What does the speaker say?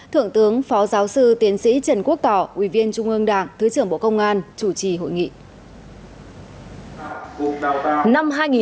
thượng tướng phó giáo sư tiến sĩ trần quốc tỏ ủy viên trung ương đảng thứ trưởng bộ công an chủ trì hội nghị